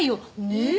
ねえ？